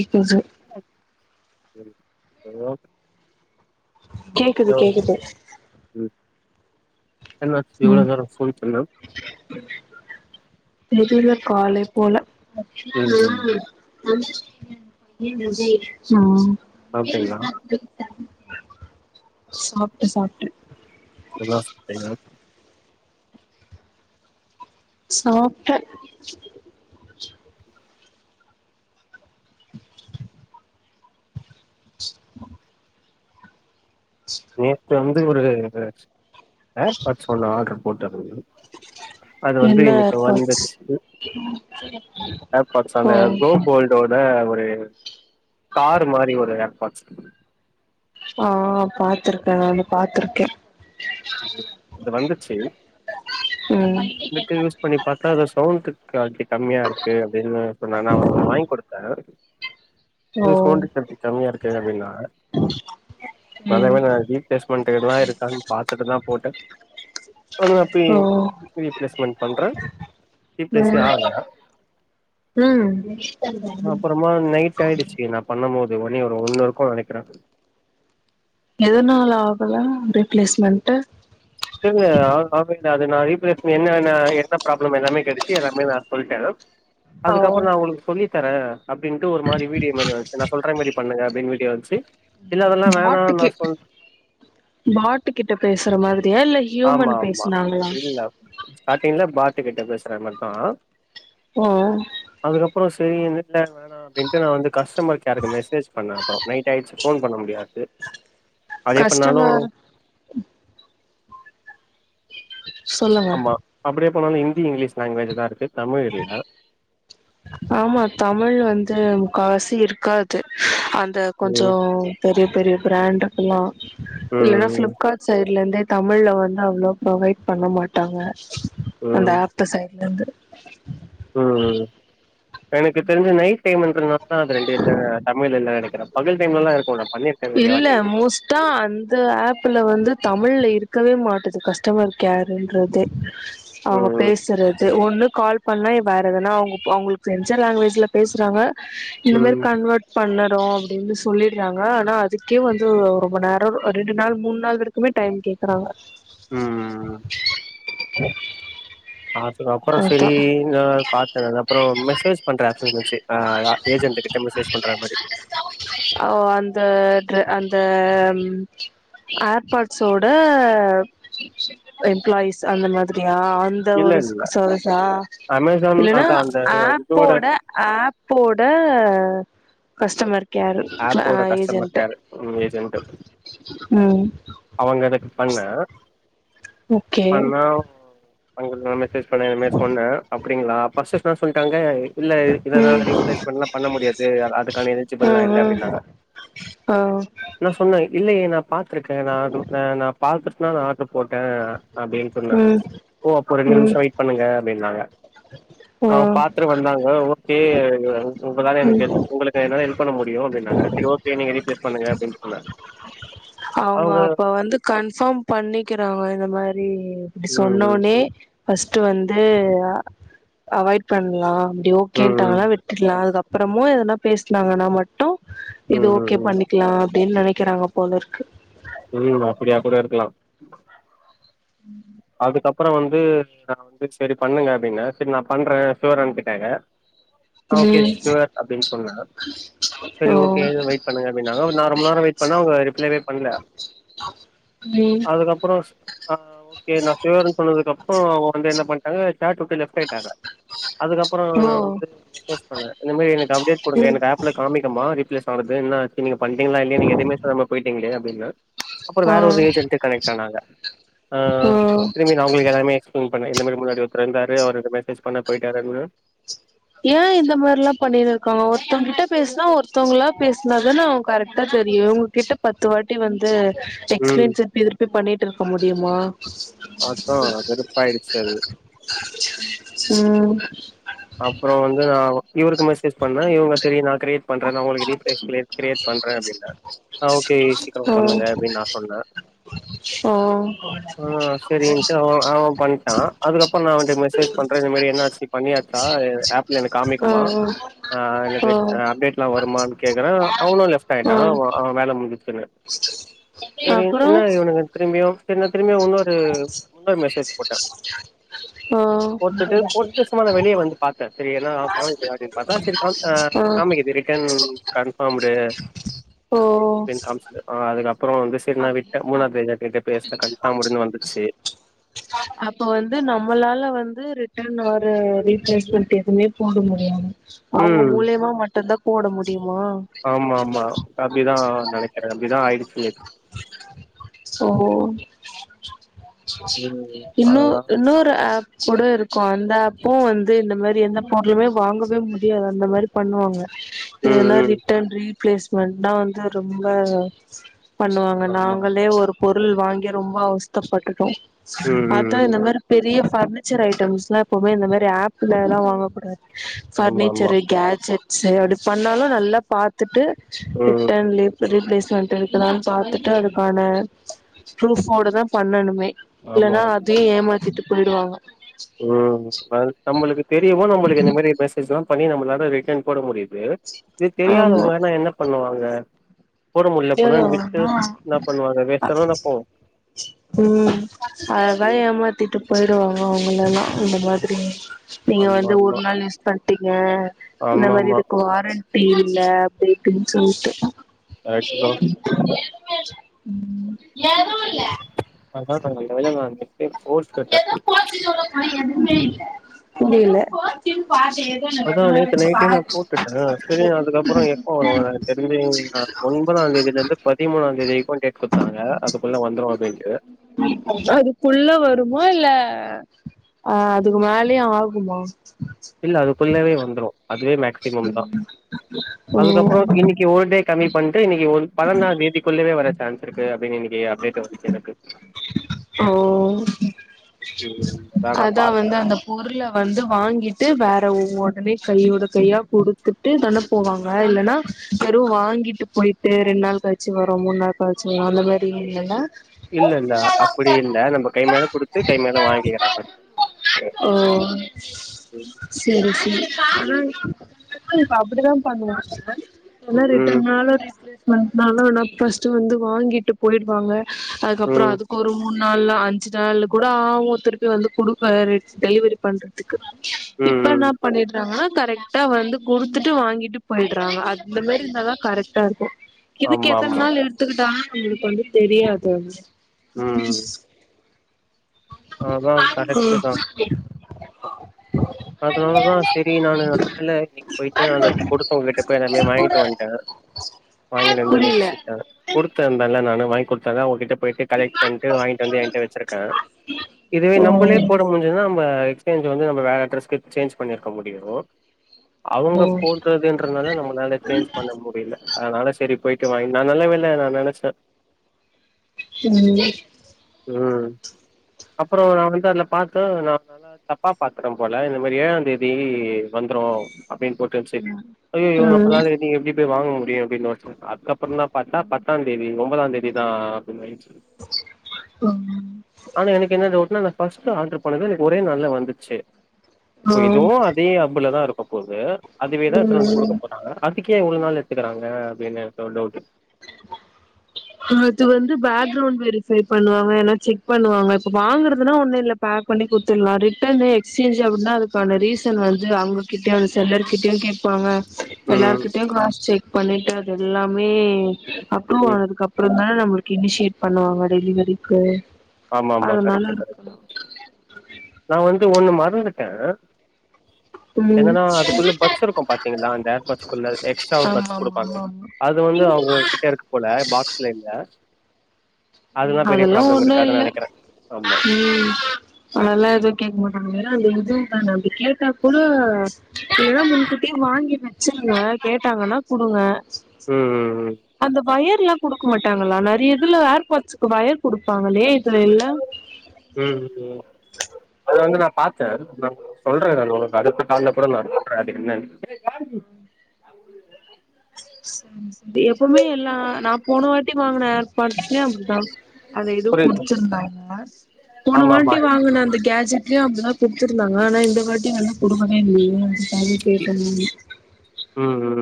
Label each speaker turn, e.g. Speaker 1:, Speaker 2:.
Speaker 1: இக்குது
Speaker 2: ஹலோ
Speaker 1: கேக்குது கேக்குது
Speaker 2: ம் என்னாச்சு இவ்ள
Speaker 1: ம்
Speaker 2: நேர ஃபோன் பண்ண
Speaker 1: தெரில காலே போல ஆ
Speaker 2: ம் சாப்ட்டீங்களா
Speaker 1: சாப்ட்டேன் சாப்ட்டேன்
Speaker 2: என்னா சாப்டீங்க
Speaker 1: சாப்ட்ட
Speaker 2: நேத்து வந்து ஒரு ஏர்பாட்ஸ் ஒண்ணு ஆர்டர் போட்டுருந்தேன் அது வந்து
Speaker 1: என்ன
Speaker 2: இன்னைக்கு
Speaker 1: ஏர்பாட்ஸ்
Speaker 2: வந்துச்சு ஏர் பாட்ஸ்
Speaker 1: ஓ
Speaker 2: அங்க கோபோல்ட் டோட ஒரு கார் மாறி ஒரு ஏர் பாட்ஸ்
Speaker 1: ஆ பாத்துருக்கேன் நானு பாத்துருக்கேன்
Speaker 2: அது அது வந்துச்சு
Speaker 1: ம்
Speaker 2: இப்ப நீ பாத்தா அத சவுண்ட் குவாலிட்டி கம்மியா இருக்கு அப்படின்னு சொன்ன ஒருத்தனுக்கு வாங்கி கொடுத்தேன்
Speaker 1: உ
Speaker 2: ஏன் சவுண்டு குவாலிட்டி கம்மியா இருக்கே அப்படின்னா நல்ல
Speaker 1: ம்
Speaker 2: வேல நா ரீப்ளேஸ்மென்ட்லா இருக்கான்னு பாத்துட்டுதான் போட்டேன் நானு அப்பி
Speaker 1: ஓ
Speaker 2: ரீப்ளேஸ்மென்ட் பண்றே ரீப்ளேஸு
Speaker 1: ம்
Speaker 2: ஆகல
Speaker 1: ம்
Speaker 2: அப்பறமா நைட் ஆயிடுச்சு நா பண்ணபோது மணி ஒரு ஒன்னு இருக்குன்னு நெனைக்றேன்
Speaker 1: எதுனால ஆகல ரீப்ளேஸ்மெண்ட்டு
Speaker 2: இல்ல இல்ல அது நான் ரீப்ளேஸ் என்ன என்ன ப்ராப்ளம் எல்லாமே கேட்டிச்சு எல்லாமே நான் சொல்லிட்டேன்
Speaker 1: ஓ
Speaker 2: அதுக்கப்புறம் நான் உங்களுக்கு சொல்லித்தரன் அப்படின்ட்டு ஒரு மாறி வீடியோ மாறி வந்துச்சு நான் சொல்ற மாறி பண்ணுங்க அப்படின்னு வீடியோ வந்துச்சு இல்ல அதெல்லா வேணா நா
Speaker 1: பாட்டுக்கு
Speaker 2: சொல்
Speaker 1: பாட்டு கிட்ட பேசுற மாதிரியா இல்ல
Speaker 2: ஆமா
Speaker 1: ஹியூமன்
Speaker 2: ஆமா
Speaker 1: பேசுனாங்களா
Speaker 2: இல்ல ஸ்டார்டிங்ல பாட்டு கிட்ட பேசுறா மாறிதான்
Speaker 1: ம்
Speaker 2: அதுக்கப்புறம் சரி இ இல் வேணாம் அப்படின்ட்டு நான் வந்து கஸ்டமர் கேருக்கு மெசேஜ் பண்ணேன் அப்புறம் நைட் ஆயிடுச்சு ஃபோன் பண்ண முடியாது அதே பண்ணாலும்
Speaker 1: கஸ்டமர் சொல்லுங்க
Speaker 2: ஆமா அப்படியே பண்ணாலும் ஹிந்தி இங்கிலீஷ் லாங்குவேஜ் தான் இருக்கு தமிழ் இல்ல
Speaker 1: ஆமா தமிழ் வந்து முக்காவாசி இருக்காது அந்த கொஞ்சோ
Speaker 2: ம்.
Speaker 1: பெரிய பெரிய பிராண்ட்க்குல்லாம் இல்லனா சில
Speaker 2: ம்.
Speaker 1: பிள்ப்காட் சைட்லருந்தே தமிழ்ல வந்து அவ்ளோ ப்ரொவைட் பண்ண மாட்டாங்க அந்த
Speaker 2: ம்.
Speaker 1: ஆப் சைட்ல இருந்து
Speaker 2: ம் எனக்கு தெரிஞ்சி நைட் டைம்ன்றனால ஆ அந்த ரெண்டுல்ல தமிழ் இல்லனு நெனைக்கிறேன் பகல் டைம்ல எல்லாம் இருக்கும்ல்ல
Speaker 1: இல்ல மோஸ் அதான் அந்த ஆப்ல வந்து தமிழ்ல இருக்கவே மாட்டது கஸ்டமர் கேர்ன்றதே அவங்க
Speaker 2: ம்.
Speaker 1: பேசுற ஒண்ணு கால் பண்ணா வேற எதுனா அவங்க அவங்களுக்கு தெரிஞ்ச லாங்குவேஜ்ல பேசுறாங்க இந்த மாறி
Speaker 2: ம்.
Speaker 1: கன்வொர்ட் பண்ணறோம் அப்படின்னு சொல்லிடுறாங்க ஆனா அதுக்கே வந்து ரொம்ப நேரம் ரெண்டு நாள் மூணு நாள் வரைக்குமே டைம் கேக்குறாங்க
Speaker 2: ம்.
Speaker 1: ச்
Speaker 2: அது அப்புறம் சரி நான் பாத்தேன் அப்புறம் மெசேஜ் பண்ற ஆப்ஷன் இருந்திச்சு ஏஜென்ட்டு கிட்ட மெசேஜ் பண்ற மாரி
Speaker 1: ஆவ் அந்த ட்ர அந்த ஏர்ப்பாட்சோட எம்ப்ளாயிஸ் அந்த மாதிரியா அந் அந்த
Speaker 2: இல்ல
Speaker 1: ஒரு ஸ்
Speaker 2: இல்ல.
Speaker 1: சோஸ்சா
Speaker 2: அமேசான்
Speaker 1: இல்லன்னா
Speaker 2: அதான் அந்த இதோட
Speaker 1: ஆப்போட ஆப்போட கஸ்டமர் கேரு [unintelligible]
Speaker 2: கேரு ம் ஏஜென்ட்டு
Speaker 1: ம்
Speaker 2: அவுங்க அதுக்கு பண்ண
Speaker 1: ஓகே
Speaker 2: அவுங்களுக் நா மெசேஜ் பண்ண இந்த மாரி சொன்ன அப்டீங்ளா ஃபஸ்ட்டுஸ் என்னா சொல்லிட்டாங்க இல்ல இ இதல்லா
Speaker 1: ம்
Speaker 2: ரீப்ளேஸ்மெண்ட்லாம் பண்ண முடியாது அதுக்கான எலிஜிபிள்லா இல்ல அப்டின்னாங்க
Speaker 1: ஓ
Speaker 2: நா சொன்ன இல்லையே நா பாத்திருக்க ந நா நா பாத்துட்டுதா நா ஆர்டரு போட்ட அப்டின்னு சொன்ன
Speaker 1: ம்
Speaker 2: ஓ அப்போ ரெண்டு
Speaker 1: ம்
Speaker 2: நிம்ஷோ வெயிட் பண்ணுங்க அப்டின்னாங்க
Speaker 1: ஆ
Speaker 2: அ பா த்துரு வந்தாங்க ஓகே உங்கலால
Speaker 1: ம்
Speaker 2: எனக்கு உங்களுக்கு என்னால ஹெல்ப் பண்ண முடியு அப்டின் சொன்னாங்க சேரி ஓகே நீங்க ரீப்லேஸ் பண்ணுங்க அப்டினு சொன்னாங்
Speaker 1: அவுங்க அப்ப வந்து கன்ஃபாம் பண்ணிக்கிறாங்க இந்த மாரி அப்டி
Speaker 2: ம்
Speaker 1: சொன்னோனே ஃபஸ்ட்டு வந்து அவாய்ட் பண்லாம் அப்டி
Speaker 2: ம் ம்
Speaker 1: ஓகேன்டாங்கனா விட்றலா அதுக்கப்புறமு எதனா பேசுனாங்கன்னா மட்டு இது
Speaker 2: ம்
Speaker 1: ஓகே
Speaker 2: ம்
Speaker 1: பண்ணி க்லா அப்டினு நனைக்கிறாங்க போலரு
Speaker 2: ம் அப்படியா கூட இருக்கலா
Speaker 1: ம்
Speaker 2: அதுக்கப்புறோ வந்து நா வந்து சேரி பண்ணுங்க அப்டின்ன சேரி நா பண்ற ஷுவர் அனுப்பிடாங்க ஓகே
Speaker 1: ம்
Speaker 2: ஷுவர் அப்டின் சொன்ன சேரி
Speaker 1: ஓ
Speaker 2: ஓகே வெயிட் பண்ணுங்க அப்டின்னாங்க ஒரு நா ரொம்ப நேரோ வெயிட் பண்ண அவுங்க ரிப்ளேவே பண்ல
Speaker 1: ம்
Speaker 2: அதுக்கப்புறோ ஓகே நா ஷுவர்ன்னு சொன்னதுக்கு அப்புறோ அவுங்க வந்து என்ன பண்டாங்க தேட்ரு உட்டு லெஃப்ட் ஆயிட்டாங்க அதுக்கப்புறோ
Speaker 1: ஓ
Speaker 2: நா வந்து மெசேஜ் பண்ண இந்த மாரி எனக்கு அப்டேட்டு குடுங்க
Speaker 1: ம்
Speaker 2: எனக்கு ஆப்ல காமிக்குமா ரீப்லேஸ் நா வந்து என்ன ஆச்சு நீங்க பண்ட்டீங்லா இல்லயா நீங்க எதுவுமே சொல்லாம போயிட்டீங்ளே அப்டின்ன அப்புறோ
Speaker 1: ஆ
Speaker 2: வேற ஒரு ஏஜென்ட்டு கனெக்ட் ஆனாங்க ஆ
Speaker 1: ஓ
Speaker 2: திரும்பி நா அவுங்களுக்கு எல்லாமே எக்ஸ் ப்ளைன் பண்ண இந்த மாரி முன்னாடி ஒருத்தர் இருந்தாரு அவுரு மெசேஜ் பண்ண போயிட்டாருன்னு
Speaker 1: ஏ இந்த மாரில்லா பண்ணினு இருக்காங்க ஒருத்தவுங் கிட்ட பேசுனா ஒருத்தவுங்களா பேசுனாதான அவுங் கரெக்டா தெரியு கிட்ட பத்து வாட்டி வந்து
Speaker 2: ம்
Speaker 1: எக்ஸ்பிளைன் திருப்பி திருப்பி பண்ணிட்டுருக்க முடியுமா
Speaker 2: அதா வெருப்பாயிடுச்சு அது
Speaker 1: ம்
Speaker 2: அப்புறோ வந்து நா இவருக்கு மெசேஜ் பண்ண இவுங்க சரி நா கிரேட் பண்ற நா உங்களுக்கு ரீப்லேஸ் கிரேட் கிரேட் பண்ற அப்டின்னா ஆ ஓகே சீக்கரோ
Speaker 1: ஓ
Speaker 2: பண்ணுங்க அப்டின் நா சொன்ன
Speaker 1: தோ
Speaker 2: ஆ சேரினுட்டு அவ அவன் பண்ட்டா அதுக்கப்புறோ நா வந்துட்டு மெசேஜ் பண்ற இந்த மாரி என் ஆர் சி பண்ணியா ச்சா ஆப்ல எனக்கு காமிக்குமா
Speaker 1: ஓ
Speaker 2: ஆ எனக்கு
Speaker 1: ஓ
Speaker 2: அப்டேட் லா வருமான் கேக்குற அவனு லெஃப்ட்
Speaker 1: ஓ
Speaker 2: ஆயிட்டா அவ அவ வேல முஞ்சிச்சுன்னு செரி
Speaker 1: அப்புறோ
Speaker 2: என்ன இவனுங்க திரும்பியு திரும்பி திரும்பி இன்னொரு இன்னொரு மெசேஜ் போட்ட
Speaker 1: ஓ
Speaker 2: போட்டுட்டு போட்டுட்டு சும்மா நா வெ ளிய வந்து பாத்த சரி எதனா காம்கிதா அப்டினு பாத்தா செரி காம் அ காமிக்கிது ரிட்டன் கன்ஃபாம்டு
Speaker 1: ஓஓஸ்
Speaker 2: ஆ அதுக்கப்பறோ வந்து செரினா விட்ட மூணா தேதி கிட்ட பேஸ்ல கன்ஃபார் முடினு வந்துச்சு
Speaker 1: அப்போ வந்து நம்மளால வந்து ரிட்டன் ஒரு ரீப்ளேஸ்மெண்ட் எதுமே அவங்க
Speaker 2: ம்
Speaker 1: மூலியமா மட்டுதா போட முடியுமா
Speaker 2: ஆமா ஆமா அப்டிதா நனைக்கிறே அப்டிதா ஆய்டுச்சு நேத்து
Speaker 1: ஒஹோ
Speaker 2: ம்
Speaker 1: இன்னு
Speaker 2: அதுதா
Speaker 1: இன்னூறு ஆப் கூட இருக்கு அந்த ஆப்பு வந்து இந்த மாரி எந்த பொர்ளுமே வாங்கவே முடியாது அந்த மாரி பண்ணுவாங்க
Speaker 2: ம்
Speaker 1: ஏன்னா
Speaker 2: ம்
Speaker 1: ரிட்டன் ரீப்ளேஸ்மெண்ட்னா வந்து ரொம்ப பண்ணுவாங்க
Speaker 2: ஆமா ஆமா
Speaker 1: நாங்களே ஒரு பொருள் வாங்கி ரொம்ப அவஸ்தப்பட்டுட்டோ
Speaker 2: ம்
Speaker 1: அதா
Speaker 2: ம் ம்
Speaker 1: இந்த மாரி பெரிய ஃர்னிச்சர் ஐட்டம்ஸ்லா எப்புமே இந்த மாரி ஆப்லல்லா வாங்கக் கூடாது
Speaker 2: ஆமா ஆமா
Speaker 1: ஃபர்னிச்சரு கேஜெட்ஸு அப்டி பண்ணாலு நல்லா பாத் த்துட்டு
Speaker 2: ம்
Speaker 1: ரிட்டன் லீப்பு ரீப்ளேஸ்மெண்ட் இருக்குதான் பாத்துட்டு அதுக்கான ப்ருஃபோட தா பண்ணணுமே
Speaker 2: ஆமா ஆமா
Speaker 1: இல்லனா அத் தே ஏமாத்திட்டு போய்டுவாங்க
Speaker 2: ஊ பல் நம்மளுக்கு தெரியவு நம்மளுக்கு இந்த மேரி மெசேஜ்லா பண்ணி நம்மளால ரிட்டன் போட முடித் பேட் இது
Speaker 1: ஆமா
Speaker 2: தெரியாதவங்கன்னா என்ன பண்ணுவாங்க போட முட்ல அப்பண்ணா விட்டு என்னா பண்ணுவாங்க வேஸ்டாதான போம்
Speaker 1: உம் அததா ஏமாத்திட்டு போய்டுவாங்கோ அவங்கலல்லா இந்த மாத்ரி நீங்க
Speaker 2: ஆமா
Speaker 1: வந்து ஒரு
Speaker 2: ஆமா
Speaker 1: நாள் யூஸ் பண்டீங்க இந்த
Speaker 2: ஆமா
Speaker 1: மாரி
Speaker 2: ஆமா
Speaker 1: இதுக் வாரண் பேய்யில்ல பேய் டுன்ஸ வுட்டு
Speaker 2: கரெக்ட்
Speaker 1: ஏ [unintelligible]
Speaker 2: தா
Speaker 1: எதுமே இல்ல எது இல்ல
Speaker 2: அத்தா தங்கள்ட்ட வெள வாங்கு பிக் ஃபோர்ஸ் கட்ட
Speaker 1: புரியல
Speaker 2: அதா நேத்து நைட்டே நா போட்டுட்டே சரி நா அதுக்கப்றோ எப்ப வருவ [unintelligible] ஒன்பதா தேதில இருந்து பதிமூணா தேதிக்கு டேட் குத்தாங்க அதுக்குள்ள வந்துரு அப்டின்ட்டு
Speaker 1: அதுக்குள்ளவர் ப்றமா இல்ல ஆ அதுக்கு மேல்யு ஆகுமா
Speaker 2: இல்ல அதுக்குள்ளவே வந்துரு அதுவே மேக்சிமம் தா
Speaker 1: இலன்னு
Speaker 2: அதுக்கப்றோ இன்னிக்கி ஒர் டே கம்மி பண்ட்டு இன்னிக்கி ஒன் பன நா தேதிக்குள்ளவே வர சான்ஸ் இருக்கு அப்டின்னு இன்னிக்கி அப்டேட் வந்துச்சு எனக்
Speaker 1: ஓ
Speaker 2: ம் நா
Speaker 1: அதா
Speaker 2: பாத்
Speaker 1: வந்தா பொருள வந்து வாங்கிட்டு வேறவ் ஒடனே கையோடத் கையா குடுத்துட்டு தாண போவாங்க இல்லன்னா பெரு வாங்கிட்டு போய்ட்டு ரெண் நாள் களி ச்சி வரு மூன்னா கள்ச்சி வ அந்த மாரி இல்லன்னா
Speaker 2: இல்லல்ல அப்படி இல்ல நம்ம கை மேல குடுத்து கை மேல வாங்கிக்கிற மாரி இருக்கு
Speaker 1: ஓ சரி சரி உஉ அப்படிதா பண்ணுவாங்க எனா
Speaker 2: ம்
Speaker 1: ரிட்டன்னால ரேஸ் லேஸ் வந் நனானா பஸ்ட்டு வந்து வாங்கிட்டு போய்டுவாங்க அதுக்கப்றோ
Speaker 2: ம்
Speaker 1: அது ஒரு மூண் நாள்ல அஞ்சு நாள் கூட ஆவு திருப்பி வந்து குடுக்கலரிச் டெலிவரி பண்ற திக்கு
Speaker 2: ம்
Speaker 1: இப்பன்ன
Speaker 2: ம்
Speaker 1: பண்ணீட்றாங்கனா கரெக்ட் டா வந்து குடுத்துட்டு வாங்கிட்டு போய்ட்றாங்க அந்த மேரி இருன்தாதா கரக்டா இருக்கு இதுக்கு
Speaker 2: ஆமா
Speaker 1: எத்தன்
Speaker 2: ஆமா
Speaker 1: நாள் எடுத்துக்கிட்டான் நம்ளுக் வந்து தெரியாது அபி
Speaker 2: ம்
Speaker 1: [unintelligible]
Speaker 2: அதா கரெக்ட் தா அதனாலதா சேரி நானு நல்ல வேல இன்னைக் போய்ட்டு அந்த கொடுத்தவுங்க கிட்ட போய் எல்லாமே வாங்கிட்டு வன்ட்டே வாங்கினுந்து
Speaker 1: புரியல
Speaker 2: வச்சு ட குடுத்த இந்தேன்ல நானு வாங்கி குடுத்தேன்ல அவுங்ககிட்ட போய்டு கலெக்ட் பண்ட்டு வாங்கிட்டு வந்து ஏன்டே வெச்சிருக்கே இதுவே
Speaker 1: ஓ
Speaker 2: நம்பளே போட முன்சுதுனா [unintelligible] வந்து நம்ம வேர அட்ரஸ்க்கு சேஞ் பண்ணிருக்க முடியு அவுங்க
Speaker 1: ஓ
Speaker 2: போட்றதுன்றதுனால நம்மளால சேஞ்ச் பண்ண முடியில அதனால சேரி போயிட்டு வாங்கி நான் நல்லாவேல்ல நா நெனச்சே
Speaker 1: [unintelligible]
Speaker 2: ம் அப்றோ நா வந்து அதுல பாத்தே நா [inaudible] ஆ தப்பா பாத்ட போல இந்த மாரி ஏழாந்தேதி வந்துரு அப்டின்ட்டு [unintelligible] சேரி ஐய்யயோ
Speaker 1: ம்
Speaker 2: நம்பளால நீ எப்டி போய் வாங்க முடியு அப்டின்னு [unintelligible] அப்புறனா பாத்தா பத்தாந் தேதி ஒம்பதா தேதி தா அப்புன்னு ஆய்ச்சு
Speaker 1: ம்
Speaker 2: ஆனா எனக்கு என்னது டவுட்னா நா ஃபர்ஸ்டு ஆட்ரு பண்ணது எனக்கு ஒரே நால்ல வந்துச்சு
Speaker 1: ஆ
Speaker 2: இப்ப இதுவு அதே ஹப்புலதா இருக்க போகுது அதுவேதா எடுத்துன்னு வந்து குடுக்க
Speaker 1: ம்
Speaker 2: போது அ அதுக்கே இவ்ளோ நாள் எத்துக்குறாங்க அப்டின்னு எனக்கு ஒரு டவுட்டு
Speaker 1: இது வந்து பேக்ரவுண் வெரிஃபை பண்ணுவாங்க ஏன்னா செக் பண்ணுவாங்க இப்போ வாங்குறதுன்னா ஒன்னுல்ல பேக் பண்ணி குடுத்துர்லா ரிட்டன் எக்ஸ்சேஞ்ச் அப்புன்னா அதுக்கான ரீசன் வந்து அவுங்ககிட் கிட்டயு அது செல்லர் கிட்டயு கேப்பாங்க
Speaker 2: ம்
Speaker 1: எல்லார்கிட்டயு க்ராஸ் செக் பண்ணிட்டு அது எல்லாமே அப்ரூவ்
Speaker 2: ம்
Speaker 1: ஆனதுக் அப் அப்றோ தானே நம்மளுக்கு இனிஷியேட் பண்ணுவாங்க டெலிவரிக்கு
Speaker 2: ஆமா ஆமா
Speaker 1: அதனால
Speaker 2: கரெக்ட்
Speaker 1: இருக்கலா
Speaker 2: கரெக்ட் நா வந்து ஒண்ணு மறந்துட்ட
Speaker 1: ம்
Speaker 2: என்னன்னா அதுக்குள்ள பட்ஸ் இருக்கும் பாத்தீங்களா அந்த ஏர் பட்ஸ் குள்ள எக்ஸ்ட்ரா
Speaker 1: ஆமா
Speaker 2: பட்ஸ்
Speaker 1: ஆமா
Speaker 2: குடுப்பாங்க
Speaker 1: ஆமா ஆமா
Speaker 2: அது வந்து அவுங்க கிட்ட இருக்கு போல பாக்ஸ்ல இல்ல அதல்லா பெரிய ப்ராப்ளம் இருக்
Speaker 1: து இல்ல ம் அதல்லா எது கேக் மாட்டாங்க அது எதுவும் தானே அப்டி கேட்டா கூட இல்லனா முன்கூட்டியே வாங்கி வெச்சிருங்க கேட்டாங்கன்னா குடுங்க
Speaker 2: ம் ம்
Speaker 1: அந்த வயர்ல்லா குடுக்க மாட்டாங்களா நறைய இதுல ஏர் வயர் குடுப்பாங்களே இதுல இல்ல
Speaker 2: ம்ம் அது வந்து நா பாத்தே சொல்றே நான் உனக்கு அடுத்த கால்ல கூட நா அது என்னன்னு
Speaker 1: எப்போமே எல்லா நா போன வாட்டி வாங்குன ஏர் பாட்ஸ்லயு அப்டிதா அத இதுவு
Speaker 2: புரியுது
Speaker 1: குடிச்சிருந்தாங்க போன
Speaker 2: ஆமா ஆமா
Speaker 1: வாட்டி வாங்குன அந்த கேஜெட்லயு அப்டிதா குடுத்துருந்தாங்க ஆனா இந்த வாட்டி வந்து குடுக்க [unintelligible]
Speaker 2: ம் ம்